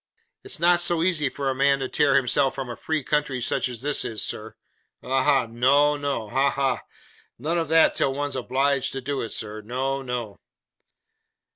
It's not so easy for a man to tear himself from a free country such as this is, sir. Ha, ha! No, no! Ha, ha! None of that till one's obliged to do it, sir. No, no!